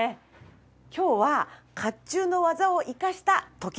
今日は甲冑の技を生かした時計です。